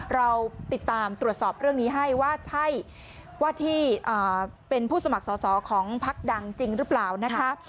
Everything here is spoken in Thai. เราติดตามตรวจสอบเรื่องนี้ให้ว่าใช่ว่าที่เป็นผู้สมัครสอสอของพักดังจริงหรือเปล่านะคะ